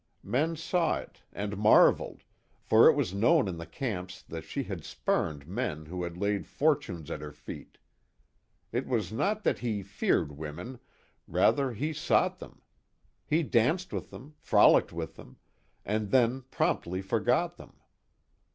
Men saw it and marvelled, for it was known in the camps that she had spurned men who had laid fortunes at her feet. It was not that he feared women, rather he sought them. He danced with them, frolicked with them and then promptly forgot them.